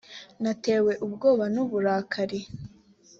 natewe ubwoba n uburakari